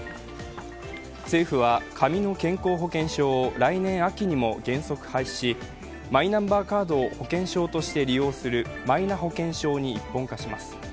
政府は紙の健康保険証を来年秋にも原則廃止し、マイナンバーカードを保険証として利用するマイナ保険証に一本化します。